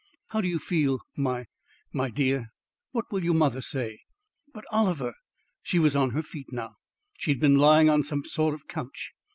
How do you feel, my my dear? What will your mother say?" "But Oliver?" She was on her feet now; she had been lying on some sort of couch.